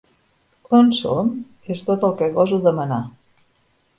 On som? —és tot el que goso demanar.